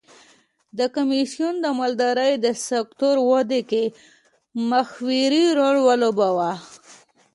دا کمېسیون د مالدارۍ د سکتور ودې کې محوري رول ولوباوه.